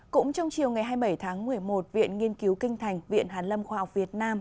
cũng trong chiều ngày hai mươi bảy tháng một mươi một viện nghiên cứu kinh thành viện hàn lâm khoa học việt nam